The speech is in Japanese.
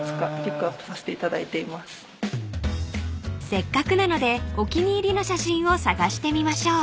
［せっかくなのでお気に入りの写真を探してみましょう］